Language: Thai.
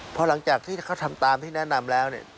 พอหลังจากที่เขาทำตามที่แนะนำแล้วเนี่ย